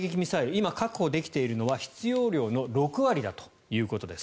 今、確保できているのは必要量の６割だということです。